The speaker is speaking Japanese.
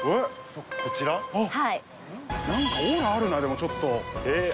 はい何かオーラあるなでもちょっとえっ？